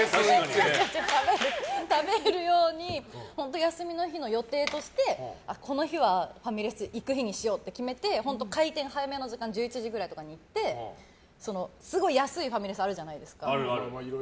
食べる用に休みの日の予定としてこの日はファミレス行く日にしようと決めて早めの時間１１時ぐらいに行ってすごい安いファミレスあるじゃないですか。